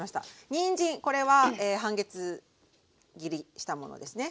にんじんこれは半月切りしたものですね。